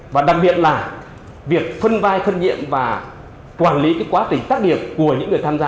và đặc biệt là việc phân vai phân nhiệm và quản lý cái quá trình trách nhiệm của những người tham gia